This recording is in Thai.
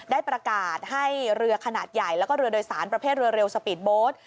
ได้ประกาศให้เรือขนาดใหญ่แล้วก็เรือโดยสารประเภทเรือเร็วสปีดโบสต์